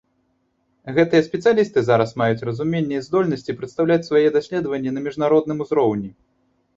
Гэтыя спецыялісты зараз маюць разуменне і здольнасці прадстаўляць свае даследаванні на міжнародным узроўні.